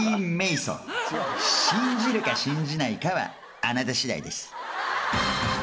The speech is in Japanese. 信じるか信じないかはあなたしだいです。